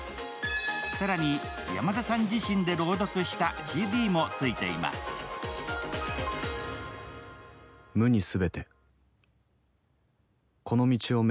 更に、山田さん自身で朗読したＣＤも付いています。